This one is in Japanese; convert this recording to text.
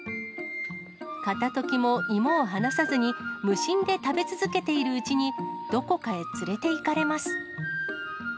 片ときも芋を離さずに、無心で食べ続けているうちに、どこかへ連れていかれます。